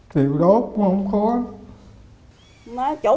điều đó cũng không khó